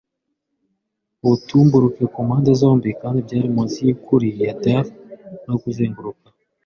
ubutumburuke ku mpande zombi; kandi byari munsi yukuri ya dell no kuzenguruka